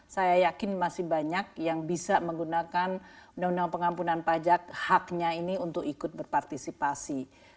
saya yakin masih banyak yang bisa menggunakan undang undang pengampunan pajak haknya ini untuk ikut berpartisipasi